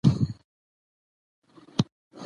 مېلې د ټولني د مثبت تحول نخښه ده.